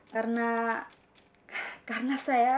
karena saya sangat mencintainya bu